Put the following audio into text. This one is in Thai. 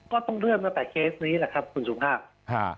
ก็ต้องเลื่อนตั้งแต่เคสนี้แหละครับคุณสุภาพ